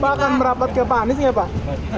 pak akan merapat ke panis nggak pak